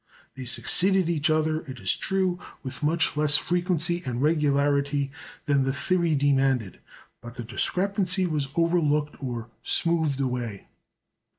They succeeded each other, it is true, with much less frequency and regularity than the theory demanded; but the discrepancy was overlooked or smoothed away.